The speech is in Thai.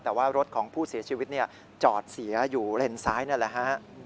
แต่ว่ารถของผู้เสียชีวิตจอดเสียอยู่เลนซ้ายนั่นแหละฮะ